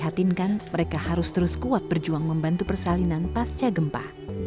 mempinkan mereka harus terus kuat berjuang membantu persalinan pasca gempa